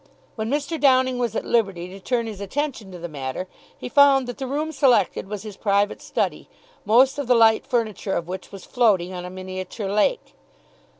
When Mr. Downing was at liberty to turn his attention to the matter, he found that the room selected was his private study, most of the light furniture of which was floating on a miniature lake.